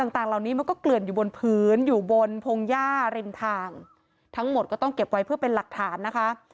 ต่างต่างปืนโพงหญ้าริมทางทั้งหมดก็ต้องเก็บไว้เพื่อเป็นหลักฐานนะคะ